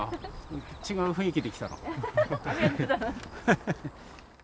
違う雰囲気で来たの。